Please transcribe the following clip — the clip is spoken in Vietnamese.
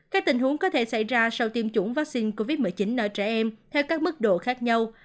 các tình huống có thể xảy ra sau tiêm chủng vaccine covid một mươi chín ở trẻ em theo các mức độ khác nhau